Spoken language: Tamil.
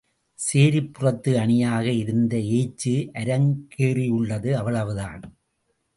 சேரிப்புறத்து அணியாக இருந்த ஏச்சு, அரங்கேறியுள்ளது அவ்வளவுதான்!